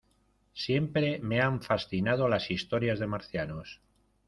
Siempre me han fascinado las historias de marcianos.